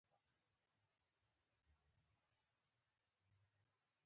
موږ مجبور یو چې پر شویو موافقو باندې تجدید نظر وکړو.